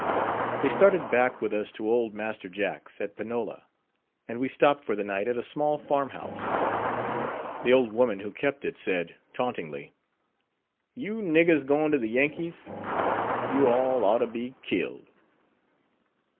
They started back with us to Old Master Jack's, at Panola, and we stopped for the night at a small farm house. The old woman who kept it said, tauntingly: "You niggers going to the Yankees? You all ought to be killed.